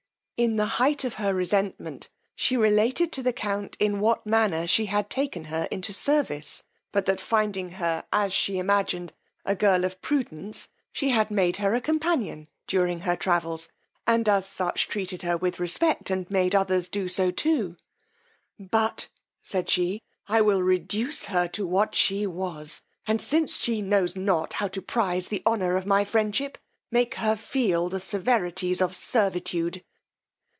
In the height of her resentment, she related to the count in what manner she had taken her into her service; but that finding her, as she imagined, a girl of prudence, she had made her a companion during her travels, and as such treated her with respect, and made others do so too; but, said she, I will reduce her to what she was, and since she knows not how to prize the honour of my friendship, make her feel the severities of servitude.